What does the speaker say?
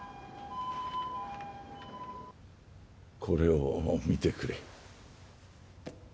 これを見てくれ。